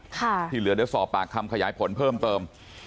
ที่เหลือเดี๋ยวสอบปากคำขยายผลเพิ่มเติม